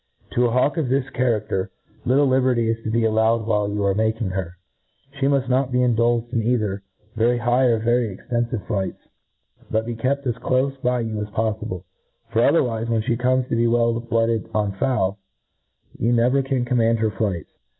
To a hawk of this cha y^aer, little liberty is to be allowed while yott are making her ; fhe mull not be indulged in ci»: ther very high or very extejifivc flights, bijt bp kept as clofe by you as pofliblc. For, othcrwife^^ when fhe comes to be well blooded on fowl, you, never can * command her flights